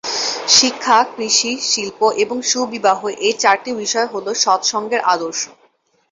শিক্ষা, কৃষি, শিল্প এবং সুবিবাহ- এ চারটি বিষয় হলো সৎসঙ্গের আদর্শ।